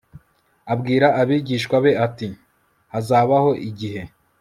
Abwira abigishwa be ati Hazabaho igihe